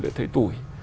để thấy tuổi